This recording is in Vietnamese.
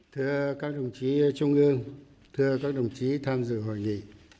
thưa các đồng chí trung ương thưa các đồng chí tham dự hội nghị